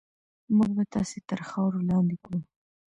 موږ به تاسې تر خاورو لاندې کړو.